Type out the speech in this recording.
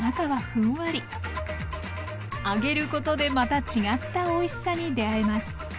揚げることでまた違ったおいしさに出会えます。